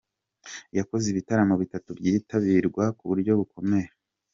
Yakoze ibitaramo bitatu byitabirwa ku buryo bukomeye.